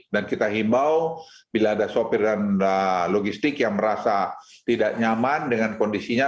dan kita himau bila ada sopir dan logistik yang merasa tidak nyaman dengan kondisinya